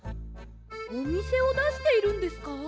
おみせをだしているんですか？